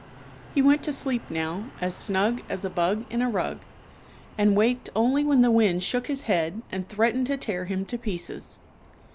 He went to sleep now " as snug as a bug in a rug," and waked only when the wind shook his head and threatened to tear him to pieces.